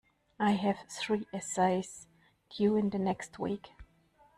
I have three essays due in the next week.